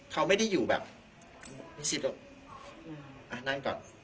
เขาไม่ได้อยู่แบบนี่สินะเอานั่นก่อน